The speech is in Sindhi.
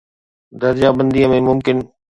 درجه بندي ۾ ممڪن